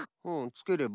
つければ？